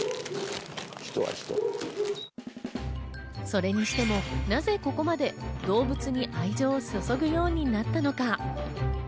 それにしても、なぜここまで動物に愛情を注ぐようになったのか？